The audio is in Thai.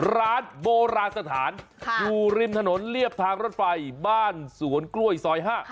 ร้านโบราณสถานอยู่ริมถนนเรียบทางรถไฟบ้านสวนกล้วยซอย๕